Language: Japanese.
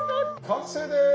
完成です！